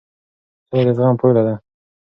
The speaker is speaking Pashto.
سوله د زغم پایله ده